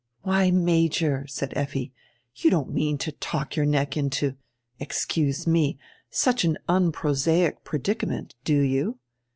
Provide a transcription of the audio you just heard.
'" "Why, Major," said Effi, "you don't mean to talk your neck into — excuse me! — such an unprosaic predicament, do you?